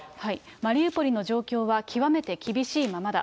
マリウポリの状況は極めて厳しいままだ。